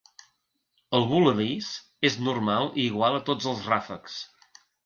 El voladís és normal i igual a tots els ràfecs.